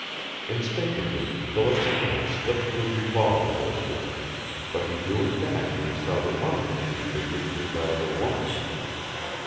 Instinctively Philip's hand slipped to his revolver holster, but he drew it back when he saw that one of the three figures was that of a woman.